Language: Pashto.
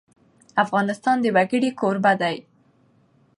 افغانستان د وګړي کوربه دی.